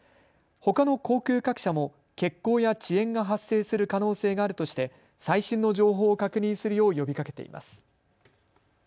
ほかの航空各社も欠航や遅延が発生する可能性があるとして最新の情報を確認するよう呼びかけています。